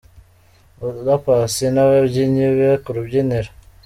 Oda Paccy n'ababyinnyi be ku rubyiniro.